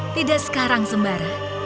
tidak sekarang sembara